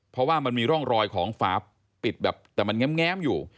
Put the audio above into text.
เพราะว่ามันมีร่องรอยของฝาปิดแบบแต่มันแง้มอยู่